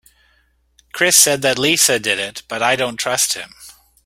Chris said that Lisa did it but I dont trust him.